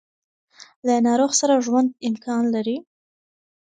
له ناروغ سره ژوند امکان لري.